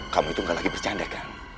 kamu itu gak lagi bercanda kan